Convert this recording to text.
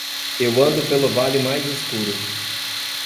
Eu ando pelo vale mais escuro.